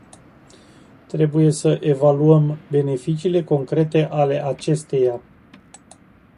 Trebuie să evaluăm beneficiile concrete ale acesteia.